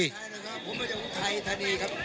ผมมาจากอุทัยธานีครับ